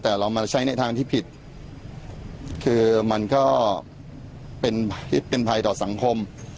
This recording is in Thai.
แต่เรามาใช้ในทางที่ผิดคือมันก็เป็นภัยต่อสังคม